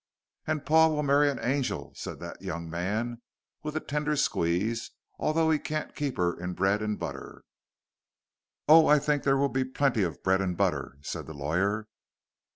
"And Paul will marry an angel," said that young man, with a tender squeeze, "although he can't keep her in bread and butter." "Oh, I think there will be plenty of bread and butter," said the lawyer.